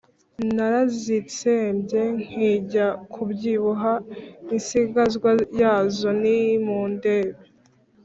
Narazitsembye nkijya kubyibuha Insigazwa yazo nimundebe."